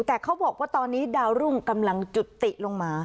แต่เขาบอกว่าตอนนี้ดาวรุ่งกำลังจุติลงมา